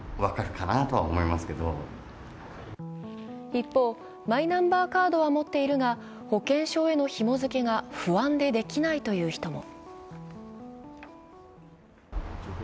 一方、マイナンバーカードは持っているが保険証へのひも付けが不安でできないという人も。